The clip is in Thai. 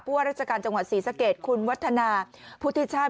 ว่าราชการจังหวัดศรีสะเกดคุณวัฒนาพุทธิชาติ